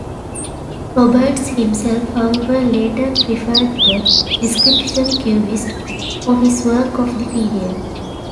Roberts himself, however, later preferred the description 'Cubist' for his work of this period.